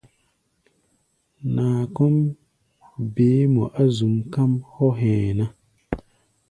Naa kɔ́ʼm beé mɔ á zuʼm, káʼm hɔ́ hɛ̧ɛ̧ ná.